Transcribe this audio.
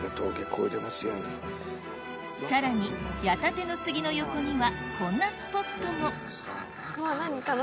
さらに矢立の杉の横にはこんなスポットも３・４・５・６。